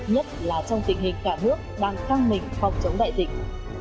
nhất là trong tình hình cả nước đang căng mình phòng chống đại dịch